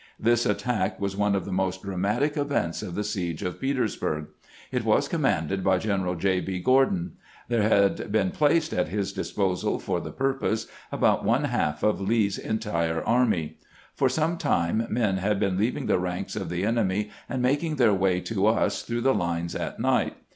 This attack was one of the most dramatic events of the siege of Petersburg. It was commanded by Gen eral J. B. Gordon. There had been placed at his dis posal for the purpose about one half of Lee's entire army. For some time men had been leaving the ranks of the enemy and making their way to us through the lines at night.